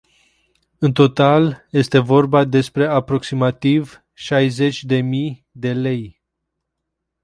În total este vorba despre aproximativ șaizeci de mii de lei.